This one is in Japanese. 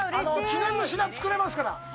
記念の品、作れますから。